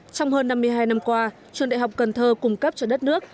trong hơn năm mươi hai năm qua trường đại học cần thơ cung cấp cho đất nước